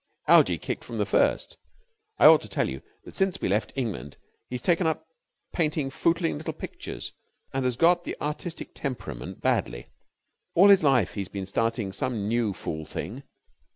Algie kicked from the first. I ought to tell you that since we left England he has taken up painting footling little pictures, and has got the artistic temperament badly. All his life he's been starting some new fool thing.